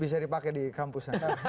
bisa dipakai di kampus